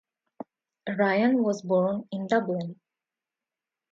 Ryan was born in Dublin.